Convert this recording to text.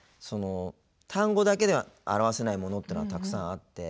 単語だけでは表せないものってたくさんあって。